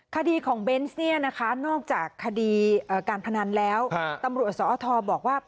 คดีของเบนส์เนี่ยนะคะนอกจากคดีการพนันแล้วตำรวจสอทบอกว่า